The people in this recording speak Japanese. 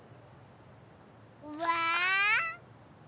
うわ